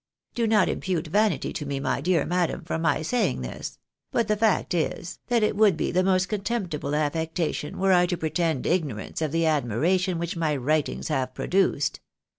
Do not impute vanity to me, my clear madam, from my saying this ; but the fact is, that it would be the most contemptible affectation were I to pretend ignorance of the admiration which my writings have produced.